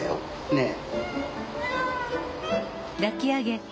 ねえ。